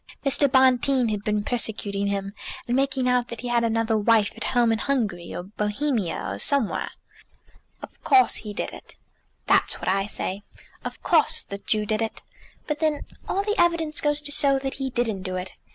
Mr. Bonteen had been persecuting him, and making out that he had another wife at home in Hungary, or Bohemia, or somewhere." "Of course he did it." "That's what I say. Of course the Jew did it. But then all the evidence goes to show that he didn't do it.